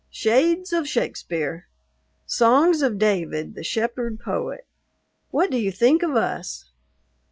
Shades of Shakespeare! Songs of David, the Shepherd Poet! What do you think of us?